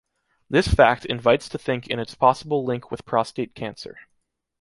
This fact invites to think in its possible link with prostate cancer.